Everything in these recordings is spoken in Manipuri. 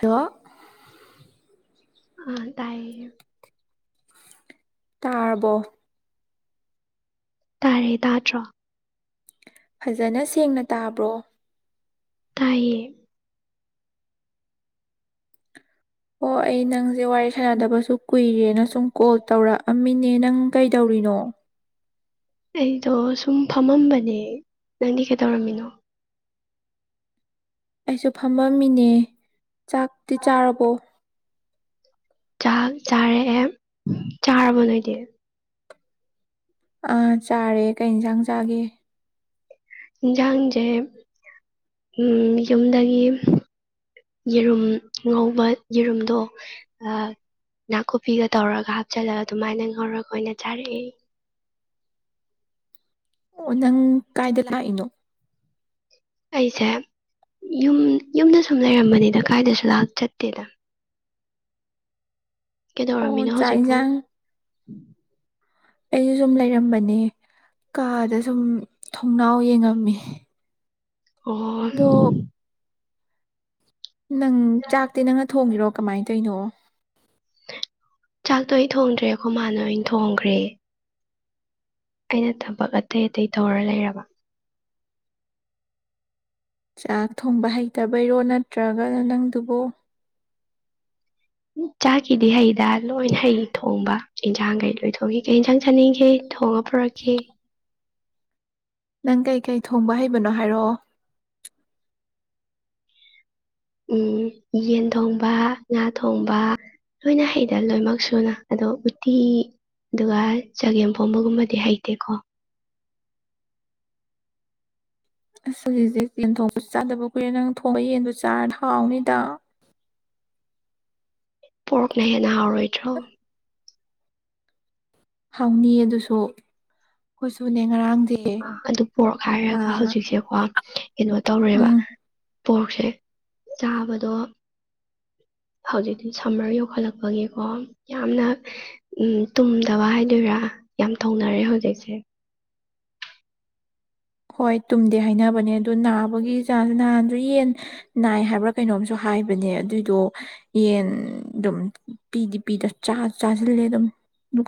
ꯍꯦꯜꯂꯣ ꯑꯥ ꯇꯥꯏꯌꯦ ꯇꯥꯔꯕꯣ ꯇꯥꯔꯦ ꯇꯥꯠꯇ꯭ꯔꯣ ꯐꯖꯅ ꯁꯦꯡꯅ ꯇꯥꯕ꯭ꯔꯣ ꯇꯥꯏꯌꯦ ꯑꯣ ꯑꯩ ꯅꯪꯁꯦ ꯋꯥꯔꯤ ꯁꯥꯟꯅꯗꯕꯁꯨ ꯀꯨꯏꯔꯦꯅ ꯁꯨꯝ ꯀꯣꯜ ꯇꯧꯔꯛꯑꯝꯃꯤꯅꯦ ꯅꯪ ꯀꯩꯗꯧꯔꯤꯅꯣ ꯑꯩꯗꯣ ꯁꯨꯝ ꯐꯝꯃꯝꯕꯅꯦ ꯅꯪꯗꯤ ꯀꯩꯗꯧꯔꯝꯃꯤꯅꯣ ꯑꯩꯁꯨ ꯐꯝꯃꯝꯃꯤꯅꯦ ꯆꯥꯛꯇꯤ ꯆꯥꯔꯕꯣ ꯆꯥ ꯆꯥꯔꯦ ꯑꯦ ꯆꯥꯔꯕ ꯂꯩꯗꯤ ꯑꯥ ꯆꯥꯔꯦ ꯀꯩ ꯏꯟꯁꯥꯡ ꯆꯥꯒꯦ ꯌꯦꯟꯖꯥꯡꯁꯦ ꯌꯨꯝꯗꯒꯤ ꯌꯦꯔꯨꯝ ꯉꯧꯕ ꯌꯦꯔꯨꯝꯗꯣ ꯅꯥꯀꯨꯞꯄꯤꯒ ꯇꯧꯔꯒ ꯍꯥꯞꯆꯜꯂ ꯑꯗꯨꯃꯥꯏꯅ ꯉꯧꯔꯒ ꯑꯣꯏꯅ ꯆꯥꯔꯛꯑꯦ ꯑꯣ ꯅꯪ ꯀꯥꯏꯗ ꯂꯥꯛꯏꯅꯣ ꯑꯩꯁꯦ ꯌꯨꯝ ꯌꯨꯝꯗ ꯁꯨꯝ ꯂꯩꯔꯝꯕꯅꯤꯗ ꯀꯥꯏꯗꯁꯨ ꯂ ꯆꯠꯇꯦꯗ ꯑꯣ ꯆꯥꯏꯖ ꯎꯝ ꯑꯩꯁꯨ ꯁꯨꯝ ꯂꯩꯔꯝꯕꯅꯦ ꯀꯥꯗ ꯁꯨꯝ ꯊꯣꯡꯅꯥꯎ ꯌꯦꯡꯉꯝꯃꯤ ꯑꯣ ꯑꯗꯣ ꯅꯪ ꯆꯥꯛꯇꯤ ꯅꯪꯅ ꯊꯣꯡꯉꯤꯔꯣ ꯀꯃꯥꯏꯅ ꯇꯧꯔꯤꯅꯣ ꯆꯥꯛꯇꯣ ꯑꯩ ꯊꯣꯡꯗ꯭ꯔꯦ ꯑꯩꯈꯣ ꯃꯥꯅ ꯑꯣꯐ ꯊꯣꯡꯈ꯭ꯔꯦ ꯑꯩꯅ ꯊꯕꯛ ꯑꯇꯩ ꯑꯇꯩ ꯇꯧꯔ ꯂꯩꯔꯕ ꯆꯥꯛ ꯊꯣꯡꯕ ꯍꯩꯇꯕꯩꯔꯣ ꯅꯠꯇ꯭ꯔꯒꯅ ꯅꯪꯗꯨꯕꯨ ꯆꯥꯛꯀꯤꯗꯤ ꯍꯩꯗ ꯂꯣꯏꯅ ꯍꯩ ꯊꯣꯡꯕ ꯌꯦꯟꯁꯥꯡꯈꯩ ꯂꯣꯏ ꯊꯣꯡꯈꯤ ꯀꯩ ꯌꯦꯟꯖꯥꯡ ꯆꯥꯅꯤꯡꯈꯤ ꯊꯣꯡꯉ ꯄꯨꯔꯛꯈꯤ ꯅꯪ ꯀꯩꯀꯩ ꯊꯣꯡꯕ ꯍꯩꯕꯅꯣ ꯍꯥꯏꯔꯛꯑꯣ ꯎ ꯌꯦꯟ ꯊꯣꯡꯕ ꯉꯥ ꯊꯣꯡꯕ ꯂꯣꯏꯅ ꯍꯩꯗꯅ ꯂꯣꯏꯅꯃꯛ ꯁꯨꯅ ꯑꯗꯣ ꯎꯠꯇꯤ ꯑꯗꯨꯒ ꯆꯒꯦꯝ ꯄꯣꯡꯕꯒꯨꯝꯕꯗꯤ ꯍꯩꯇꯦꯀꯣ ꯑꯁ [unintelligible] ꯌꯦꯟ ꯊꯣꯡꯕꯁꯨ ꯆꯥꯗꯕ ꯀꯨꯏꯔꯦ ꯅꯪ ꯊꯣꯡꯕ ꯌꯦꯟꯗꯣ ꯆꯥꯔꯗꯤ ꯍꯥꯎꯅꯤꯗ ꯄꯣꯔꯛ ꯅ ꯍꯦꯟꯅ [unintelligible] ꯑꯣꯏ ꯔꯣꯏꯗ꯭ꯔꯣ ꯍꯥꯎꯅꯤꯌꯦ ꯑꯗꯨꯁꯨ [unintelligible] ꯉꯔꯥꯡ ꯑꯥ ꯑꯗꯨ ꯄꯣꯔꯛ ꯍꯥꯏꯔꯒ ꯍꯧꯖꯤꯛꯁꯦꯀꯣ ꯀꯩꯅꯣ ꯇꯧꯔꯦꯕ ꯎꯝ ꯄꯣꯔꯁꯦ ꯆꯥꯕꯗꯣ ꯍꯧꯖꯤꯛꯇꯤ ꯁꯝꯃꯔ ꯌꯣꯛꯈꯠꯂꯛꯄꯒꯤꯀꯣ ꯌꯥꯝꯅ ꯎ ꯇꯨꯝꯗꯕ ꯍꯥꯏꯗꯣꯏꯔꯥ ꯌꯥꯝ ꯊꯧꯅꯔꯦ ꯍꯧꯖꯤꯛꯁꯦ ꯍꯣꯏ ꯇꯨꯝꯗꯦ ꯍꯥꯏꯅꯕꯅꯦ ꯑꯗꯨ ꯅꯥꯕꯒꯤ ꯆꯥꯟꯁꯨ ꯅꯥꯥꯟꯗ ꯌꯦꯟ ꯅꯥꯏ ꯍꯥꯏꯕ꯭ꯔꯥ ꯀꯩꯅꯣꯝꯁꯨ ꯍꯥꯏꯕꯅꯦ ꯑꯗꯨꯏꯗꯣ ꯌꯦꯟ ꯑꯗꯨꯝ ꯄꯤꯗꯤ ꯄꯤꯗ ꯆꯥꯁꯤꯜꯂꯦ ꯑꯗꯨꯝ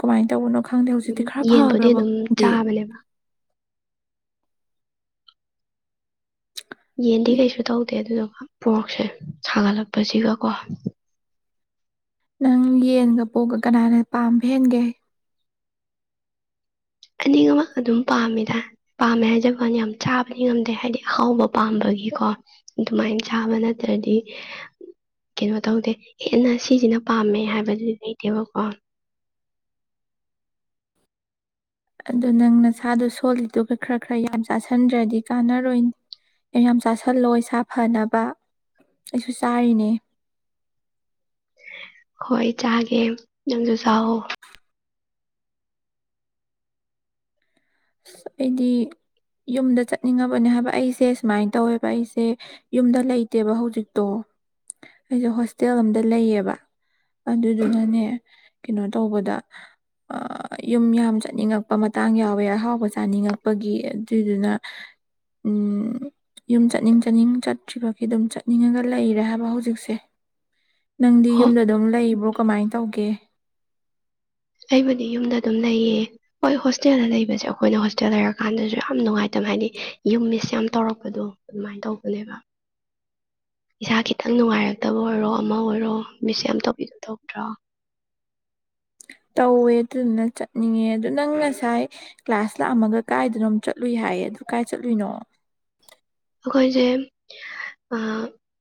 ꯀꯃꯥꯏꯅ ꯇꯧꯕꯅꯣ ꯈꯪꯗꯦ ꯎꯝ ꯍꯧꯖꯤꯛꯇꯤ ꯈꯔ ꯌꯦꯟꯕꯨꯗꯤ ꯐꯈ꯭ꯔꯕ ꯑꯗꯨꯝ ꯈꯪꯗꯦ ꯆꯥꯕꯅꯦꯕ ꯌꯦꯟꯗꯤ ꯀꯩꯁꯨ ꯇꯧꯗꯦ ꯑꯗꯨꯗꯣ ꯄꯣꯔꯛꯁꯦ ꯁꯥꯒꯠꯂꯛꯄꯁꯤꯒ ꯀꯣ ꯅꯪ ꯌꯦꯟꯒ ꯄꯣꯛꯒ ꯀꯅꯥꯅ ꯄꯥꯝꯕ ꯍꯦꯟꯒꯦ ꯑꯅꯤꯃꯛ ꯑꯗꯨꯝ ꯄꯥꯝꯃꯦꯗ ꯄꯥꯝꯃꯦ ꯍꯥꯏꯖꯕꯥꯟꯅꯤ ꯌꯥꯝ ꯆꯥꯕꯗꯤ ꯉꯝꯗꯦ ꯍꯥꯏꯗꯤ ꯑꯍꯥꯎꯕ ꯄꯥꯝꯕꯒꯤꯀꯣ ꯑꯗꯨꯃꯥꯏꯅ ꯆꯥꯕ ꯅꯠꯇ꯭ꯔꯗꯤ ꯀꯩꯅꯣ ꯇꯧꯗꯦ ꯍꯦꯟꯅ ꯁꯤꯁꯤꯅ ꯄꯥꯝꯃꯦ ꯍꯥꯏꯕꯗꯨꯗꯤ ꯂꯩꯇꯦꯕꯀꯣ ꯑꯗꯨꯗ ꯅꯪ ꯅꯁꯥꯗꯣ ꯁꯣꯜꯂꯤꯗꯨꯒ ꯈꯔ ꯈꯔ ꯌꯥꯝ ꯆꯥꯥꯁꯟꯗ꯭ꯔꯗꯤ ꯀꯥꯟꯅꯔꯣꯏ ꯌꯥꯝ ꯆꯥꯥꯁꯜꯂꯣ ꯏꯁꯥ ꯐꯅꯕ ꯑꯩꯁꯨ ꯆꯥꯔꯤꯅꯦ ꯍꯣꯏ ꯆꯥꯒꯦ ꯅꯪꯁꯨ ꯆꯥꯎꯋꯣ ꯑꯁ ꯑꯩꯗꯤ ꯌꯨꯝꯗ ꯆꯠꯅꯤꯡꯉꯕꯅꯦ ꯍꯥꯏꯕ ꯑꯩꯁꯦ ꯁꯨꯃꯥꯏꯅ ꯇꯧꯋꯦꯕ ꯑꯩꯁꯦ ꯌꯨꯝꯗ ꯂꯩꯇꯦꯕ ꯍꯧꯖꯤꯛꯇꯣ ꯑꯩꯁꯦ ꯍꯣꯁꯇꯦꯜ ꯑꯝꯗ ꯂꯩꯌꯦꯕ ꯑꯗꯨꯗꯨꯅꯅꯦ ꯀꯩꯅꯣ ꯇꯧꯕꯗ ꯌꯨꯝ ꯌꯥꯝ ꯆꯠꯅꯤꯡꯉꯛꯄ ꯃꯇꯥꯡ ꯌꯥꯎꯋꯦ ꯑ ꯑꯍꯥꯎꯕ ꯆꯥꯅꯤꯡꯉꯛꯄꯒꯤ ꯑꯗꯨꯏꯗꯨꯅ ꯌꯨꯝ ꯆꯠꯅꯤꯡ ꯆꯠꯅꯤꯡ ꯆꯠꯇ꯭ꯔꯤꯕꯒꯤ ꯑꯗꯨꯝ ꯆꯠꯅꯤꯡꯉꯒ ꯂꯩꯔꯦ ꯍꯥꯏꯕ ꯍꯧꯖꯤꯛꯁꯦ ꯅꯪꯗꯤ ꯍꯣ ꯌꯨꯝꯗ ꯑꯗꯨꯝ ꯂꯩꯕ꯭ꯔꯣ ꯀꯃꯥꯏꯅ ꯇꯧꯒꯦ ꯑꯩꯕꯨꯗꯤ ꯌꯨꯝꯗ ꯑꯗꯨꯝ ꯂꯩꯌꯦ ꯍꯣꯏ ꯍꯣꯁꯇꯦꯜꯗ ꯂꯩꯕꯁꯦ ꯑꯩꯈꯣꯏꯅ ꯍꯣꯁꯇꯦꯜ ꯂꯩꯔꯀꯥꯟꯗꯁꯨ ꯌꯥꯝ ꯅꯨꯡꯉꯥꯏꯇꯕ ꯍꯥꯏꯗꯤ ꯌꯨꯝ ꯃꯤꯁ ꯌꯥꯝ ꯇꯧꯔꯛꯄꯗꯣ ꯑꯗꯨꯃꯥꯏꯅ ꯇꯧꯕꯅꯦꯕ ꯏꯁꯥ ꯈꯤꯇꯪ ꯅꯨꯡꯉꯥꯏꯔꯛꯇꯕ ꯑꯣꯏꯔꯣ ꯑꯃ ꯑꯣꯏꯔꯣ ꯃꯤꯁ ꯌꯥꯝ ꯇꯧꯕꯤꯒ ꯇꯧꯗ꯭ꯔꯣ ꯇꯧꯋꯦ ꯑꯗꯨꯗꯨꯅ ꯆꯠꯅꯤꯡꯉꯦ ꯑꯗꯨ ꯅꯪ ꯉꯁꯥꯏ ꯀ꯭ꯂꯥꯁ ꯂꯥꯛꯑꯝꯃꯒ ꯀꯥꯏꯗꯅꯣꯝ ꯆꯠꯂꯨꯏ ꯍꯥꯏꯌꯦ ꯑꯗꯨ ꯀꯥꯏ ꯆꯠꯂꯨꯏꯅꯣ ꯑꯩꯈꯣꯏꯁꯦ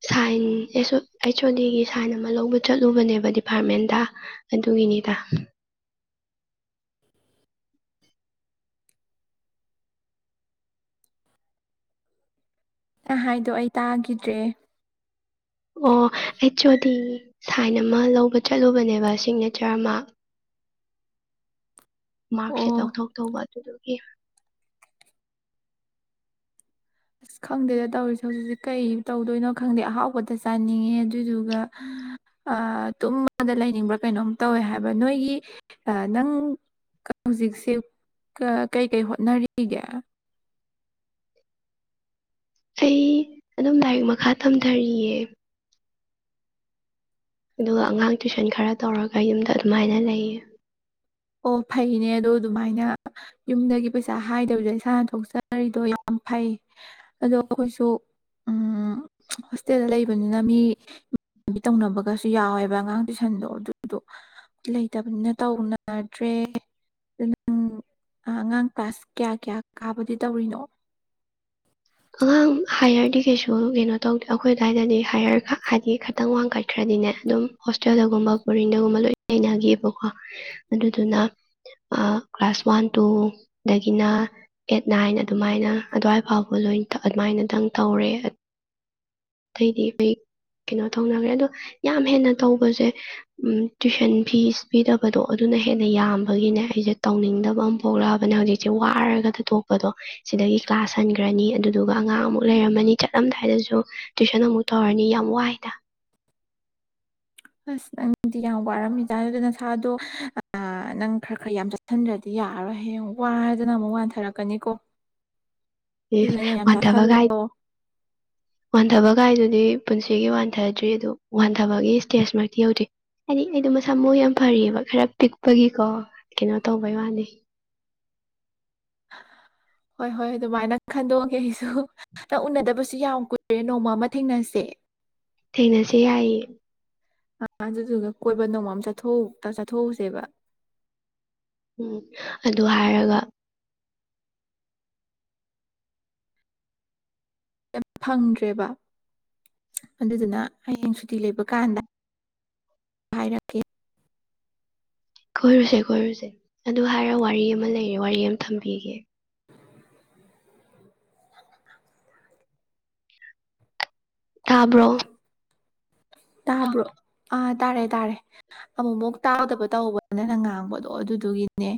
ꯁꯥꯏꯟ ꯑꯩꯆ ꯑꯣ ꯗꯤꯒꯤ ꯁꯥꯏꯟ ꯑꯃ ꯂꯧꯕ ꯆꯠꯂꯨꯕꯅꯦꯕ ꯗꯤꯄꯥꯔꯠꯃꯦꯟꯗ ꯑꯗꯨꯒꯤꯅꯤꯗ ꯅꯪꯅ ꯍꯥꯏꯗꯣ ꯑꯩ ꯇꯥꯈꯤꯗ꯭ꯔꯦ ꯑꯣ ꯑꯩꯁ ꯑꯣ ꯗꯤ ꯁꯥꯏꯟ ꯑꯃ ꯂꯧꯕ ꯆꯠꯂꯨꯕꯅꯦꯕ ꯁꯤꯒꯅꯦꯆꯔ ꯑꯃ ꯑꯣ ꯃꯥꯛꯁꯤꯠ ꯂꯧꯊꯣꯛ ꯇꯧꯕ ꯑꯗꯨꯗꯨꯒꯤ ꯑꯁ ꯈꯪꯗꯦꯗ ꯇꯧꯔꯤꯁꯦ ꯍꯧꯖꯤꯛꯁꯦ ꯀꯩ ꯇꯧꯗꯣꯏꯅꯣ ꯈꯪꯗꯦ ꯑꯍꯥꯎꯕꯗ ꯆꯥꯅꯤꯡꯉꯦ ꯑꯗꯨꯏꯗꯨꯒ ꯇꯨꯝꯃꯗ ꯂꯩꯅꯤꯡꯕ꯭ꯔꯥ ꯀꯩꯅꯣꯝ ꯇꯧꯋꯦ ꯍꯥꯏꯕ ꯅꯣꯏꯒꯤ ꯅꯪ ꯍꯧꯖꯤꯛꯁꯦ ꯀꯩꯀꯩ ꯍꯣꯠꯅꯔꯤꯒꯦ ꯑꯩ ꯑꯗꯨꯝ ꯂꯥꯏꯔꯤꯛ ꯃꯈꯥ ꯊꯝꯊꯔꯤꯌꯦ ꯑꯗꯨꯒ ꯑꯉꯥꯡ ꯇꯨꯏꯁꯟ ꯈꯔ ꯇꯧꯔꯒ ꯌꯨꯝꯗ ꯑꯗꯨꯃꯥꯏꯅ ꯂꯩꯌꯦ ꯑꯣ ꯐꯩꯅꯦ ꯑꯗꯣ ꯑꯗꯨꯃꯥꯏꯅ ꯌꯨꯝꯗꯒꯤ ꯄꯩꯁꯥ ꯍꯥꯏꯗꯕꯤꯗ ꯏꯁꯥꯅ ꯊꯣꯛꯆꯔꯤꯗꯣ ꯌꯥꯝ ꯐꯩ ꯑꯗꯣ ꯑꯩꯈꯣꯏꯁꯨ ꯍꯣꯁꯇꯦꯜꯗ ꯂꯩꯕꯅꯤꯅ ꯃꯤ ꯏꯃꯕꯤ ꯇꯧꯅꯕꯒꯁꯨ ꯌꯥꯎꯋꯦꯕ ꯑꯉꯥꯡ ꯇꯨꯏꯁꯟꯗꯣ ꯑꯗꯨꯗꯣ ꯂꯩꯇꯕꯅꯤꯅ ꯇꯧ ꯗ꯭ꯔꯦ ꯅꯪ ꯑꯉꯥꯡ ꯀ꯭ꯂꯥꯁ ꯀꯌꯥ ꯀꯌꯥ ꯀꯥꯕꯗꯤ ꯇꯧꯔꯤꯅꯣ ꯑꯉꯥꯡ ꯍꯥꯏꯌꯔꯗꯤ ꯀꯩꯁꯨ ꯀꯩꯅꯣ ꯇꯧꯗꯦ ꯑꯩꯈꯣꯏ ꯑꯗꯨꯋꯥꯏꯗꯗꯤ ꯍꯥꯏꯌꯔ ꯍꯥꯏꯗꯤ ꯈꯤꯇꯪ ꯋꯥꯡꯈꯠꯈ꯭ꯔꯗꯤꯅꯦ ꯑꯗꯨꯝ ꯍꯣꯁꯇꯦꯜꯗꯒꯨꯝꯕ ꯕꯣꯔꯤꯡꯗꯒꯨꯝꯕ ꯂꯣꯏ ꯂꯩꯅꯈꯤꯑꯕꯀꯣ ꯑꯗꯨꯗꯨꯅ ꯀ꯭ꯂꯥꯁ ꯋꯥꯟ ꯇꯨ ꯗꯗꯒꯤꯅ ꯑꯦꯠ ꯅꯥꯏꯟ ꯑꯗꯨꯃꯥꯏꯅ ꯑꯗꯨꯋꯥꯏ ꯐꯥꯎꯕ ꯂꯣꯏ ꯑꯗꯨꯃꯥꯏꯅꯗꯪ ꯇꯧꯔꯦ ꯑꯇꯩꯗꯤ ꯑꯩꯈꯣꯏ ꯀꯩꯅꯣ ꯇꯧꯅꯈ꯭ꯔꯦ ꯑꯗꯣ ꯌꯥꯝ ꯍꯦꯟꯅ ꯇꯧꯕꯁꯦ ꯇꯨꯏꯁꯟ ꯐꯤꯁ ꯄꯤꯗꯕꯗꯣ ꯑꯗꯨꯅ ꯍꯦꯟꯅ ꯌꯥꯝꯕꯒꯤꯅꯦ ꯑꯩꯁꯦ ꯇꯧꯅꯤꯡꯗꯕ ꯑꯃ ꯄꯣꯛꯂꯛꯑꯕꯅꯦ ꯍꯧꯖꯤꯛꯁꯦ ꯋꯥꯔꯒ ꯊ ꯊꯣꯛꯣꯛꯄꯗꯣ ꯁꯤꯗꯒꯤ ꯀ꯭ꯂꯥꯁ ꯍꯟꯈ꯭ꯔꯅꯤ ꯑꯗꯨꯗꯨꯒ ꯑꯉꯥꯡ ꯑꯃꯨꯛ ꯂꯩꯔꯝꯃꯅꯤ ꯆꯠꯂꯝꯗꯥꯏꯗꯁꯨ ꯇꯨꯏꯁꯟ ꯑꯃꯨꯛ ꯇꯧꯔꯅꯤ ꯌꯥꯝ ꯋꯥꯏꯗ ꯑꯁ ꯅꯪꯗꯤ ꯌꯥꯝ ꯋꯥꯔꯝꯃꯤꯖ ꯑꯗꯨꯗ ꯅꯁꯥꯗꯣ ꯅꯪ ꯈꯔ ꯈꯔ ꯌꯥꯝ ꯆꯠꯁꯤꯟꯗ꯭ꯔꯗꯤ ꯌꯥꯔꯔꯣꯏ ꯍꯌꯦꯡ ꯋꯥꯗꯅ ꯑꯃꯨꯛ ꯋꯥꯟꯊꯔꯛꯀꯅꯤꯀꯣ ꯌꯦꯁ ꯑꯗꯨꯅ ꯌꯥꯝ ꯌꯥꯝ ꯃꯇꯕꯒꯥꯏ ꯆꯥꯁꯤꯜꯂꯣ ꯋꯥꯟꯊꯕ ꯀꯥꯏꯗꯨꯗꯤ ꯄꯨꯟꯁꯤꯒꯤ ꯋꯥꯟꯊꯗ꯭ꯔꯤ ꯑꯗꯨ ꯋꯥꯟꯊꯕꯒꯤ ꯏꯁꯇꯦꯖꯃꯛꯇꯤ ꯌꯧꯗ꯭ꯔꯤ ꯍꯥꯏꯗꯤ ꯑꯩꯗꯣ ꯃꯁꯥ ꯃꯎ ꯌꯥꯝ ꯐꯔꯤꯑꯕ ꯈꯔ ꯄꯤꯛꯄꯒꯤꯀꯣ ꯀꯩꯅꯣ ꯇꯧꯕꯩ ꯋꯥꯅꯤ ꯍꯣꯏ ꯍꯣꯏ ꯑꯗꯨꯃꯥꯏꯅ ꯈꯟꯗꯣꯛꯑꯒꯦ ꯑꯩꯁꯨ ꯅꯪ ꯎꯅꯗꯕꯁꯨ ꯌꯥꯝ ꯀꯨꯏꯔꯦ ꯅꯣꯡꯃ ꯑꯃ ꯊꯦꯡꯅꯁꯦ ꯊꯦꯡꯅꯁꯦ ꯌꯥꯏꯌꯦ ꯑꯗꯨꯗꯨꯒ ꯀꯣꯏꯕ ꯅꯣꯡꯃ ꯆꯠꯊ ꯆꯠꯊꯣꯛꯎꯁꯦꯕ ꯎꯝ ꯑꯗꯨ ꯍꯥꯏꯔꯒ ꯐꯪꯗ꯭ꯔꯦꯕ ꯑꯗꯨꯗꯨꯅ ꯍꯌꯦꯡ ꯇꯤ ꯂꯩꯕ ꯀꯥꯟꯗ ꯍꯥꯌꯔꯛꯏ ꯀꯣꯏꯔꯨꯁꯦ ꯀꯣꯏꯔꯨꯁꯦ ꯑꯗꯨ ꯍꯥꯏꯔ ꯋꯥꯔꯤ ꯑꯃ ꯂꯩꯔ ꯋꯥꯔꯤ ꯑꯃ ꯊꯝꯕꯤꯒꯦ ꯊꯥꯕ꯭ꯔꯣ ꯇꯥꯕ꯭ꯔꯣ ꯑꯥ ꯇꯥꯔꯦ ꯇꯥꯔꯦ ꯑꯃꯨꯃꯨꯛ ꯇꯥꯎꯗꯕ ꯇꯧꯕ ꯅꯡꯟ ꯉꯥꯡꯕꯗꯣ ꯑꯗꯨꯗꯨꯒꯤꯅꯦ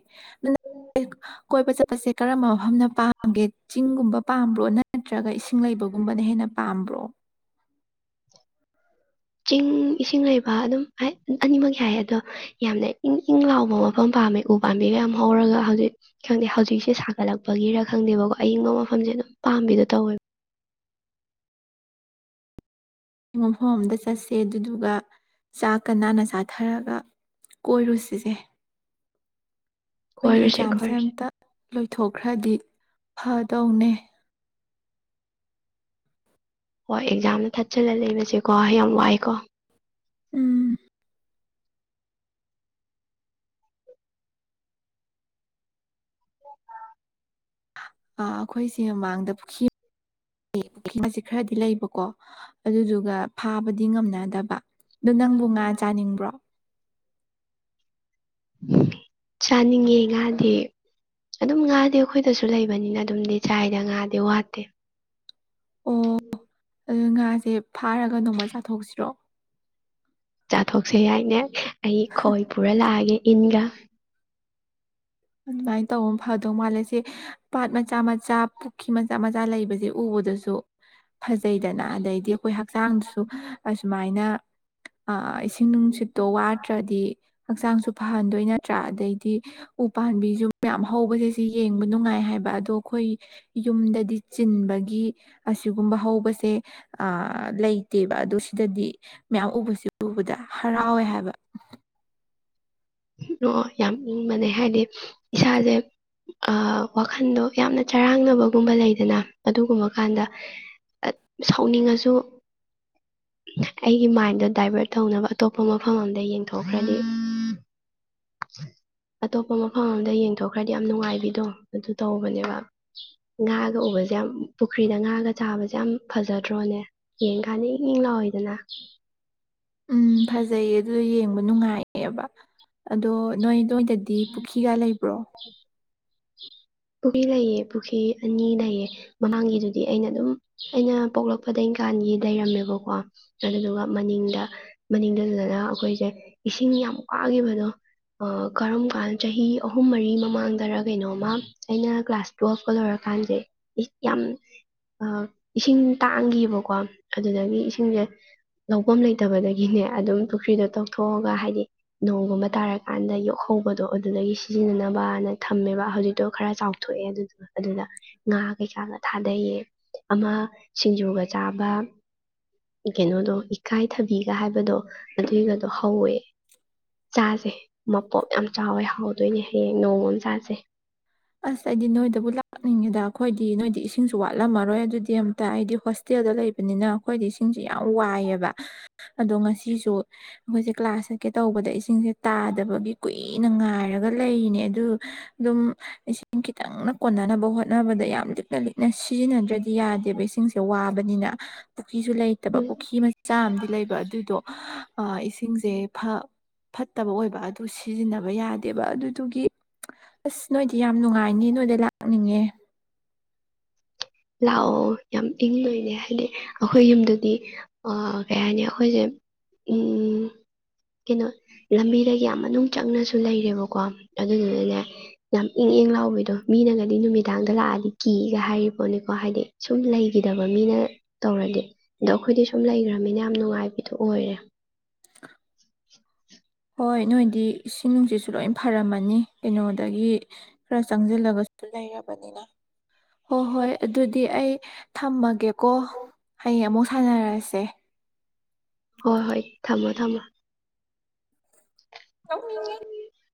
ꯑ [unintelligible] ꯀꯣꯏꯕ ꯆꯠꯄꯁꯦ ꯀꯔꯝꯕ ꯃꯐꯝꯅ ꯄꯥꯝꯒꯦ ꯆꯤꯡꯒꯨꯝꯕ ꯄꯥꯝꯕ꯭ꯔꯣ ꯅꯠꯇ꯭ꯔꯒ ꯏꯁꯤꯡ ꯂꯩꯕꯒꯨꯝꯕꯅ ꯍꯦꯟꯅ ꯄꯥꯝꯕ꯭ꯔꯣ ꯆꯤꯡ ꯏꯁꯤꯡ ꯂꯩꯕ ꯑꯗꯨꯝ ꯑꯅꯤꯃꯛ ꯍꯥꯏꯏꯌꯦ ꯑꯗꯣ ꯌꯥꯝꯅ ꯏꯪ ꯏꯪ ꯂꯥꯎꯕ ꯃꯐꯝ ꯄꯥꯝꯃꯦ ꯎ ꯄꯥꯝꯕꯤꯒ ꯌꯥꯝ ꯍꯧꯔꯒ ꯍꯧꯖꯤꯛ ꯈꯪꯗꯦ ꯍꯧꯖꯤꯛꯁꯦ ꯁꯥꯒꯠꯂꯛꯄꯒꯤꯔ ꯈꯪꯗꯦꯕꯀꯣ ꯑꯏꯪꯕ ꯃꯐꯝꯁꯦ ꯑꯗꯨꯝ ꯄꯥꯝꯕꯤꯗꯣ ꯇꯧꯋꯦꯕ ꯃꯐꯝ ꯑꯃꯗ ꯆꯠꯁꯦ ꯑꯗꯨꯗꯨꯒ ꯆꯥꯛꯀ ꯅꯥꯟꯅ ꯆꯥꯊꯔꯒ ꯀꯣꯏꯔꯨ ꯁꯤꯁꯦ ꯑꯩꯈꯣꯏꯒꯤ ꯀꯣꯏꯔꯨꯁꯦ ꯑꯦꯛꯖꯥꯝꯁꯦ ꯀꯣꯏꯔꯨꯁꯦ ꯑꯇ ꯂꯣꯌ ꯊꯣꯛꯈ꯭ꯔꯗꯤ ꯐꯗꯧꯅꯦ ꯍꯣꯏ ꯑꯦꯛꯖꯥꯝꯗ ꯊꯥꯠꯆꯜꯂꯒ ꯂꯩꯕꯁꯦꯀꯣ ꯌꯥꯝ ꯋꯥꯏꯀꯣ ꯎꯝ ꯑꯩꯈꯣꯏꯁꯦ ꯃꯃꯥꯡꯗ ꯄꯨꯈ꯭ꯔꯤ ꯄꯨꯈ꯭ꯔꯤ ꯈꯔꯗꯤ ꯂꯩꯕꯀꯣ ꯑꯗꯨꯗꯨꯒ ꯐꯥꯕꯗꯤ ꯉꯝꯅꯗꯕ ꯑꯗꯨ ꯅꯪꯕꯨ ꯉꯥ ꯆꯥꯅꯤꯡꯕ꯭ꯔꯣ ꯆꯥꯅꯤꯡꯉꯦ ꯉꯥꯗꯤ ꯑꯗꯨꯝ ꯉꯥꯗꯤ ꯑꯩꯈꯣꯏꯗꯁꯨ ꯂꯩꯕꯅꯤꯅ ꯑꯗꯨꯝꯗꯤ ꯆꯥꯏꯗ ꯉꯥꯗꯤ ꯋꯥꯠꯇꯦ ꯎꯝ ꯑꯗꯨ ꯉꯥꯁꯦ ꯐꯥꯔꯒ ꯅꯣꯡꯃꯩ ꯆꯥꯊꯣꯛꯁꯤꯔꯣ ꯆꯥꯊꯣꯛꯁꯦ ꯍꯥꯏꯅꯦ ꯑꯩ ꯈꯣꯏ ꯄꯨꯔ ꯂꯥꯛꯑꯒꯦ ꯏꯟꯒꯥ ꯑꯗꯨꯃꯥꯏꯅ ꯇꯧꯕ ꯑꯃ ꯐꯗꯧ ꯃꯥꯜꯂꯦ ꯁꯤꯦ ꯄꯥꯠ ꯃꯆꯥ ꯃꯆꯥ ꯄꯨꯈ꯭ꯈꯤ ꯃꯆꯥ ꯃꯆꯥ ꯂꯩꯕꯁꯦ ꯎꯕꯗꯁꯨ ꯐꯖꯩꯗꯅ ꯑꯗꯩꯗꯤ ꯑꯩꯈꯣꯏ ꯍꯛꯆꯥꯡꯗꯁꯨ ꯑꯁꯨꯃꯥꯏꯅ ꯏꯁꯤꯡ ꯅꯨꯡꯁꯤꯠꯇꯣ ꯋꯥꯗ꯭ꯔꯗꯤ ꯍꯛꯆꯥꯡꯁꯨ ꯐꯍꯟꯗꯣꯏ ꯅꯠꯇ꯭ꯔꯥ ꯑꯗꯩꯗꯤ ꯎ ꯄꯥꯝꯕꯤꯁꯨ ꯃꯌꯥꯝ ꯍꯧꯕꯁꯦ ꯁꯤ ꯌꯦꯡꯕ ꯅꯨꯡꯉꯥꯏ ꯍꯥꯏꯕ ꯑꯗꯣ ꯑꯩꯈꯣꯏ ꯌꯨꯝꯗꯗꯤ ꯆꯤꯟꯕꯒꯤ ꯑꯁꯤꯒꯨꯝꯕ ꯍꯧꯕꯁꯦ ꯂꯩꯇꯦꯕ ꯑꯗꯣ ꯁꯤꯗꯗꯤ ꯃꯌꯥꯝ ꯎꯕꯁꯨ ꯎꯕꯗ ꯍꯔꯥꯎꯋꯦ ꯍꯥꯏꯕ ꯑꯣ ꯌꯥꯝ ꯏꯪꯕꯅꯦꯩ ꯍꯥꯏꯕꯗꯤ ꯏꯁꯥꯁꯦ ꯋꯥꯈꯜꯗꯣ ꯌꯥꯝꯅ ꯆꯔꯥꯡꯅꯕꯒꯨꯝꯕ ꯂꯩꯗꯅ ꯑꯗꯨꯒꯨꯝꯕ ꯀꯥꯟꯗ ꯁꯥꯎꯅꯤꯡꯉꯁꯨ ꯑꯩꯒꯤ ꯃꯥꯏꯟꯗꯣ ꯗꯥꯏꯚꯔꯠ ꯇꯧꯅꯕ ꯑꯇꯣꯞꯄ ꯃꯐꯝ ꯑꯝꯗ ꯌꯦꯡꯊꯣꯛꯈ꯭ꯔꯅꯤ ꯑꯇꯣꯞꯄ ꯃꯐꯝ ꯑꯗ ꯌꯦꯡꯊꯣꯛꯈ꯭ꯔꯗꯤ ꯌꯥꯝ ꯅꯨꯡꯉꯥꯏꯕꯤꯗꯣ ꯑꯗꯨ ꯇꯧꯕꯅꯦꯕ ꯉꯥꯒ ꯎꯕꯁꯦ ꯌꯥꯝ ꯄꯨꯈ꯭ꯔꯤꯗ ꯉꯥꯒ ꯆꯥꯕꯁꯦ ꯌꯥꯝ ꯐꯖꯗ꯭ꯔꯣꯅꯦ ꯌꯦꯡ ꯀꯥꯟꯗ ꯏꯪ ꯏꯪ ꯂꯥꯎꯋꯤꯗꯅ ꯎꯝ ꯐꯖꯩꯌꯦ ꯑꯗꯨ ꯌꯦꯡꯉ ꯅꯨꯡꯉ ꯑ ꯅ ꯁꯣꯏꯗꯗꯤ ꯄꯨꯈ꯭ꯔꯤꯒ ꯂꯩꯕ꯭ꯔꯣ ꯎ ꯄꯨꯈꯔꯤ ꯂꯩꯌꯦ ꯄꯨꯈ꯭ꯔꯤ ꯑꯅꯤ ꯂꯩꯌꯦ ꯃꯃꯥꯡꯒꯤꯗꯨꯗꯤ ꯑꯩꯅ ꯑꯗꯨꯝ ꯑꯩꯅ ꯄꯣꯛꯂꯛꯄꯗꯒꯤ ꯀꯥꯟꯒꯤ ꯂꯩꯔꯝꯃꯦꯕꯀꯣ ꯑꯗꯨꯗꯨꯒ ꯃꯅꯤꯡꯗ ꯃꯅꯤꯡꯗꯗꯨꯗꯅ ꯑꯩꯈꯣꯏꯁꯦ ꯏꯁꯤꯡ ꯌꯥꯝ ꯋꯥꯈꯤꯕꯗꯣ ꯀꯔꯝ ꯀꯥꯟ ꯆꯍꯤ ꯑꯍꯨꯝ ꯃꯔꯤ ꯃꯃꯥꯡꯗꯔ ꯀꯩꯅꯣꯝꯃ ꯑꯩꯅ ꯀ꯭ꯂꯥꯁ ꯇꯨꯌꯦꯦꯜꯐꯀ ꯂꯣꯏꯔꯀꯥꯟꯁꯦ ꯌꯥꯝ ꯏꯁꯤꯡ ꯇꯥꯡꯈꯤꯕꯕꯀꯣ ꯑꯗꯨꯗꯒꯤ ꯏꯁꯤꯡꯁꯦ ꯂꯐꯝ ꯂꯩꯇꯕꯗꯒꯤꯅꯦ ꯑꯗꯨꯝ ꯄꯨꯈ꯭ꯔꯤꯗꯣ ꯇꯧꯊꯣꯛꯑꯒ ꯍꯥꯏꯗꯤ ꯅꯣꯡꯒꯨꯝꯕ ꯇꯥꯔꯀꯥꯟꯗ ꯌꯣꯛꯍꯧꯕꯗꯣ ꯑꯗꯨꯗꯒꯤ ꯁꯤꯖꯤꯟꯅꯅꯕꯅ ꯊꯝꯃꯦꯕ ꯍꯧꯖꯤꯛ ꯇꯣ ꯈꯔ ꯆꯥꯎꯊꯣꯛꯑꯦ ꯑꯗꯨꯗꯨ ꯑꯗꯨꯗ ꯉꯥ ꯀꯩꯀꯥꯒ ꯊꯥꯗꯩꯌꯦ ꯑꯃ ꯁꯤꯡꯖꯨꯒ ꯆꯥꯕ ꯀꯩꯅꯣꯗꯣ ꯏꯀꯥꯏꯊꯕꯤꯒ ꯍꯥꯏꯕꯗꯣ ꯑꯗꯨꯏꯒꯗꯣ ꯍꯧꯋꯦ ꯆꯥꯁꯦ ꯃꯄꯣꯞ ꯌꯥꯝ ꯆꯥꯎꯋꯦ ꯍꯥꯎꯗꯣꯏꯅꯦ ꯍꯌꯦꯡ ꯅꯣꯡꯃ ꯑꯃ ꯆꯥꯁꯦ ꯑꯁ ꯑꯩꯗꯤ ꯅꯣꯏꯗꯕꯨ ꯂꯥꯛꯅꯤꯡꯉꯦꯗ ꯑꯩꯈꯣꯏꯗꯤ ꯅꯣꯏꯗꯤ ꯏꯁꯤꯡꯁꯨ ꯋꯥꯠꯂꯝꯃꯔꯣꯏ ꯑꯗꯨꯗꯤ ꯑꯝꯇ ꯑꯩꯗꯤ ꯍꯣꯁꯇꯦꯜꯗ ꯂꯩꯕꯅꯤꯅ ꯑꯩꯈꯣꯏꯗꯤ ꯏꯁꯤꯡꯁꯦ ꯌꯥꯝ ꯋꯥꯏꯑꯦꯕ ꯑꯗꯣ ꯉꯁꯤꯁꯨ ꯑꯩꯈꯣꯏꯁꯦ ꯀ꯭ꯂꯥꯁ ꯆꯠꯀꯦ ꯇꯧꯕꯗ ꯏꯁꯤꯡꯁꯦ ꯇꯥꯗꯕꯒꯤ ꯀꯨꯏꯅ ꯉꯥꯏꯔꯒ ꯂꯩꯔꯤꯅꯦ ꯑꯗꯨ ꯑꯗꯨꯝ ꯏꯁꯤꯡ ꯈꯤꯇꯪꯅ ꯀꯣꯟꯅꯅꯕ ꯍꯣꯠꯅꯕꯗ ꯌꯥꯝ ꯂꯤꯛꯅ ꯂꯤꯛꯅ ꯁꯤꯖꯤꯟꯅꯗ꯭ꯔꯗꯤ ꯌꯥꯗꯦꯕ ꯏꯁꯤꯡꯁꯦ ꯋꯥꯕꯅꯤꯅ ꯄꯨꯈ꯭ꯔꯤꯁꯨ ꯂꯩꯇꯕ ꯎꯝ ꯄꯨꯈ꯭ꯔꯤ ꯃꯆꯥ ꯑꯃꯗꯤ ꯂꯩꯕ ꯑꯗꯨꯗꯣ ꯏꯁꯤꯡꯁꯦ ꯐ ꯐꯠꯇꯕ ꯑꯣꯏꯕ ꯑꯗꯨ ꯁꯤꯖꯤꯟꯅꯕ ꯌꯥꯗꯦꯕ ꯑꯗꯨꯗꯨꯒꯤ ꯑꯁ ꯅꯣꯏ ꯁꯤ ꯌꯥꯝ ꯅꯨꯡꯉꯥꯏꯅꯤ ꯅꯣꯏꯗ ꯂꯥꯛꯅꯤꯡꯉꯦ ꯂꯥꯛꯑꯣ ꯌꯥꯝ ꯏꯪꯗꯣꯏꯅꯦ ꯍꯥꯏꯗꯤ ꯑꯩꯈꯣꯏ ꯌꯨꯝꯗꯗꯤ ꯀꯩ ꯍꯥꯏꯅꯤ ꯑꯩꯈꯣꯏꯁꯦ ꯎ ꯀꯩꯅꯣ ꯂꯝꯕꯤꯗꯒꯤ ꯌꯥꯝ ꯃꯅꯨꯡ ꯆꯪꯅꯁꯨ ꯂꯩꯔꯦꯕꯀꯣ ꯑꯗꯨꯗꯨꯅꯅꯦ ꯌꯥꯝ ꯏꯪ ꯏꯪ ꯂꯥꯎꯕꯗꯣ ꯃꯤꯅꯒꯗꯤ ꯅꯨꯃꯤꯗꯥꯡꯗ ꯂꯥꯛꯑꯗꯤ ꯀꯤꯒ ꯍꯥꯏꯔꯤꯕ ꯅꯤꯀꯣ ꯍꯥꯏꯗꯤ ꯁꯨꯝ ꯂꯩꯈꯤꯗꯕ ꯃꯤꯅ ꯇꯧꯔꯗꯤ ꯑꯗꯣ ꯑꯩꯈꯣꯏꯗꯤ ꯁꯨꯝ ꯂꯩꯈ꯭ꯔꯃꯤꯅ ꯌꯥꯝ ꯅꯨꯡꯉꯥꯏꯕꯗꯨꯣ ꯑꯣꯏꯔꯦ [inaudible] ꯍꯣꯏ ꯅꯣꯏꯗꯤ ꯏꯁꯤꯡ ꯅꯨꯡꯁꯤꯠꯁꯨ ꯂꯣꯏ ꯐꯔꯝꯃꯅꯤ ꯀꯩꯅꯣꯗꯒꯤ ꯈꯔ ꯆꯪꯁꯤꯜꯂꯒꯁꯨ ꯂꯩꯔꯕꯅꯤꯅ ꯍꯣꯏ ꯍꯣꯏ ꯑꯗꯨꯗꯤ ꯑꯩ ꯊꯝꯃꯒꯦꯀꯣ ꯍꯌꯦꯡ ꯑꯃꯨꯛ ꯁꯥꯟꯅꯔꯁꯦ ꯍꯣꯏ ꯍꯣꯏ ꯊꯝꯃꯣ ꯊꯝꯃꯣ ꯑꯅꯤꯡ